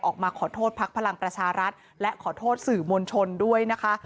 ออกมาขอโทษภักดิ์พลังประชารัฐและขอโทษสื่อมวลชนด้วยนะคะ